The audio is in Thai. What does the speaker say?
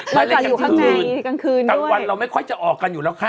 แล้วถ่ายอยู่ข้างแมงที่กลางคืนด้วยทั้งวันเราไม่ค่อยจะออกกันอยู่แล้วค่ะ